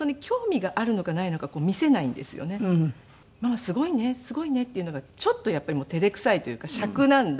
ママすごいねすごいねっていうのがちょっとやっぱり照れくさいというかしゃくなんだと思うんですよ。